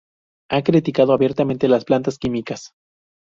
Ha criticado abiertamente las plantas químicas.